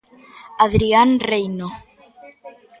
Adrián Reino.